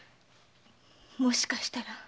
もしかしたら。